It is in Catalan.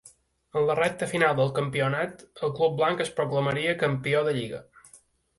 En la recta final del campionat, el club blanc es proclamaria campió de lliga.